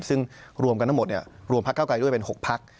ซึ่งรวมพลักษณภ์๙ไกลด้วยเป็น๖พลักษณภ์